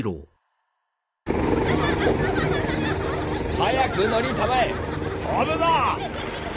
早く乗りたまえ飛ぶぞ！